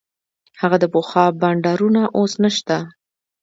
هغه د پخوا بانډارونه اوس نسته.